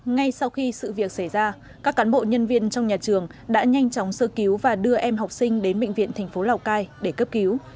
ngay sau khi sự việc xảy ra các cán bộ nhân viên trong nhà trường đã nhanh chóng sơ cứu và đưa em học sinh đến bệnh viện thành phố lào cai để cấp cứu